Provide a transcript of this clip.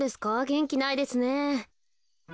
げんきないですね。